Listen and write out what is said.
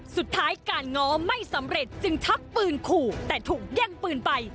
สุดท้ายการง้อไม่สำเร็จจึงชักปืนขู่แต่ถูกแย่งปืนไป